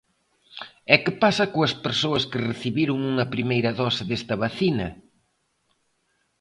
E que pasa coas persoas que recibiron unha primeira dose desta vacina?